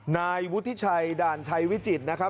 นายวุฒิชัยด่านชายวิจิตร